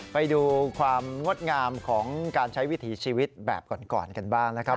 ไปดูความงดงามของการใช้วิถีชีวิตแบบก่อนกันบ้างนะครับ